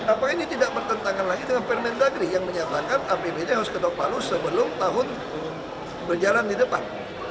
apakah ini tidak bertentangan lagi dengan permendagri yang menyatakan apbd harus ketok palu sebelum tahun berjalan di depan